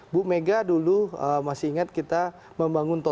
bu mega dulu masih ingat kita membangun tol